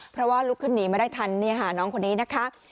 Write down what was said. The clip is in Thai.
เพราะว่าลุกขึ้นหนีมาได้ทันน้องคนนี้นะคะ